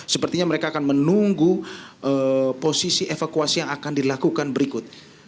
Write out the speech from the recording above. sepertinya mereka akan menunggu posisi evakuasi yang akan dilakukan berikut